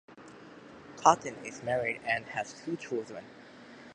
Cotten is married and has two children.